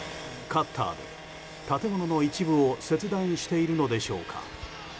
カッターで建物の一部を切断しているのでしょうか。